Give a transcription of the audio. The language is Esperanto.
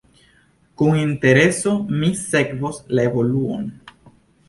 Kun intereso mi sekvos la evoluon.